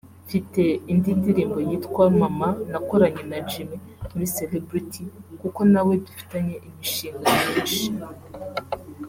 Mfite indi ndirimbo yitwa ’Mama’ nakoranye na Jimmy muri Celebrity kuko nawe dufitanye imishinga myinshi